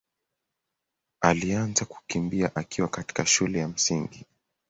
alianza kukimbia akiwa katika shule ya Msingi.